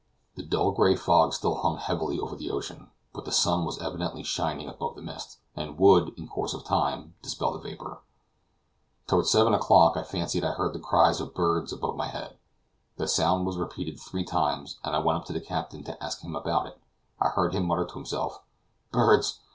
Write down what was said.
The dull gray fog still hung heavily over the ocean, but the sun was evidently shining above the mist, and would, in course of time, dispel the vapor. Toward seven o'clock I fancied I heard the cries of birds above my head. The sound was repeated three times, and as I went up to the captain to ask him about it, I heard him mutter to himself: "Birds!